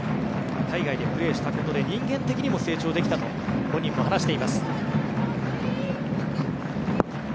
海外でプレーしたことで人間的にも成長できたと本人も話しています。